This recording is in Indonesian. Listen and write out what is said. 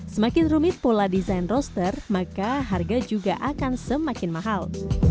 semakin rumit pola desain roster maka harga juga akan semakin mahal